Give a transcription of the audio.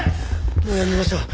もうやめましょう。